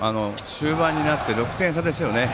終盤になって６点差ですよね。